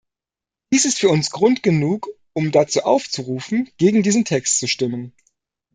Dies ist für uns Grund genug, um dazu aufzurufen, gegen diesen Text zu stimmen.